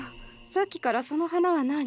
さっきからその花は何？